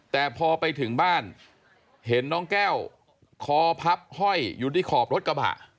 แต่พอไปถึงบ้านเห็นน้องแก้วคอพับห้อยอยู่ที่ขอบรถกระบะ